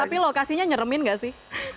tapi lokasinya nyeremen gak sih